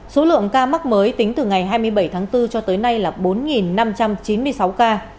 số lượng ca mắc mới tính từ ngày hai mươi bảy tháng bốn cho tới nay là bốn năm trăm chín mươi sáu ca